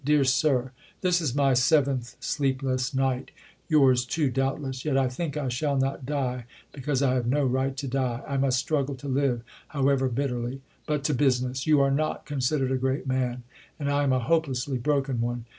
Dear Sir : This is my seventh sleepless night — yours, S ^^ L / y,^ too, doubtless — yet I think I shall not die, because I have ^^ no right to die. I must struggle to live, however bitterly. But to business. You are not considered a great man, and I am a hopelessly broken one.